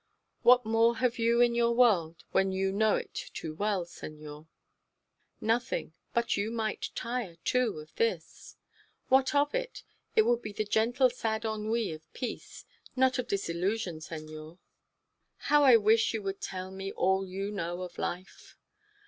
What more have you in your world when you know it too well, senor?" "Nothing; but you might tire, too, of this." "What of it? It would be the gentle sad ennui of peace, not of disillusion, senor. How I wish you would tell me all you know of life!"